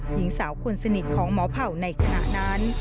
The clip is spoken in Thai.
หญิงสาวคนสนิทของหมอเผ่าในขณะนั้น